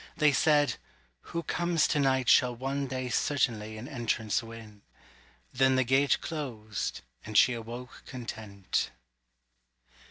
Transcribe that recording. They said, "Who comes to night Shall one day certainly an entrance win;" Then the gate closed and she awoke content.